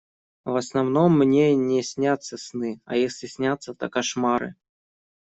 В основном мне не снятся сны, а если снятся, то кошмары.